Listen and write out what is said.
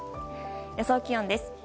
予想気温です。